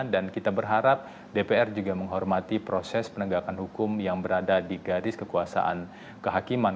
dan kita berharap dpr juga menghormati proses penegakan hukum yang berada di garis kekuasaan kehakiman